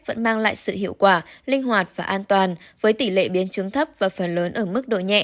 vẫn mang lại sự hiệu quả linh hoạt và an toàn với tỷ lệ biến chứng thấp và phần lớn ở mức độ nhẹ